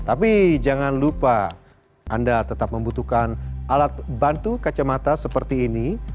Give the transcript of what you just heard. tapi jangan lupa anda tetap membutuhkan alat bantu kacamata seperti ini